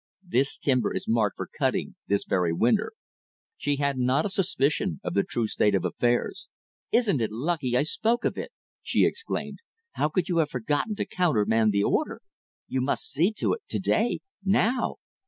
"This timber is marked for cutting this very winter." She had not a suspicion of the true state of affairs. "Isn't it lucky I spoke of it!" she exclaimed. "How could you have forgotten to countermand the order! You must see to it to day; now!"